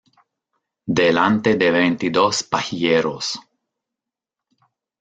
delante de veintidós pajilleros.